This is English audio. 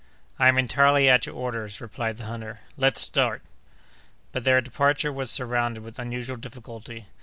"I am entirely at your orders," replied the hunter; "let us start!" But their departure was surrounded with unusual difficulty.